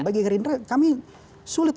bagi gerinda kami sulit